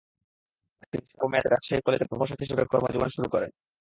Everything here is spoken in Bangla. তিনি স্বল্প মেয়াদে রাজশাহী কলেজে প্রভাষক হিসাবে কর্মজীবন শুরু করেন ।